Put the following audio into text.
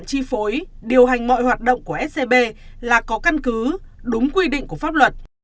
chi phối điều hành mọi hoạt động của scb là có căn cứ đúng quy định của pháp luật